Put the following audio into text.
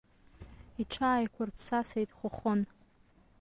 Иҽааиқәирԥсасеит Хәыхәын.